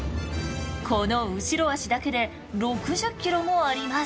この後ろ足だけで６０ｋｇもあります。